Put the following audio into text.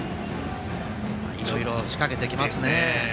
いろいろ仕掛けてきますね。